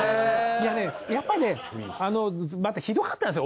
いやねやっぱりねまたひどかったんですよ。